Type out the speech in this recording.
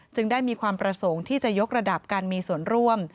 ได้มีความประสงค์ที่จะยกระดับการมีส่วนร่วม